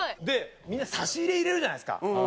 みんな、差し入れ入れるじゃないですか。